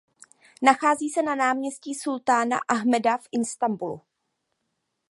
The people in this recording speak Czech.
Nachází se na náměstí sultána Ahmeda v Istanbulu.